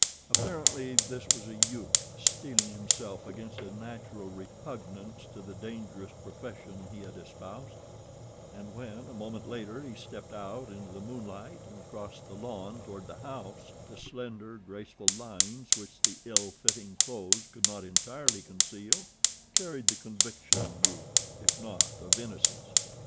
Apparently this was a youth steeling himself against a natural repugnance to the dangerous profession he had espoused; and when, a moment later, he stepped out into the moonlight and crossed the lawn toward the house, the slender, graceful lines which the ill fitting clothes could not entirely conceal carried the conviction of youth if not of innocence.